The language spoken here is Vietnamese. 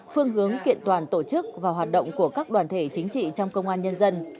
phương hướng kiện toàn tổ chức và hoạt động của các đoàn thể chính trị trong công an nhân dân